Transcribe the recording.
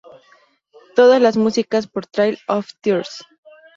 Todas la música por Trail of Tears.